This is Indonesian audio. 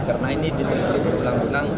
karena ini diteliti berulang ulang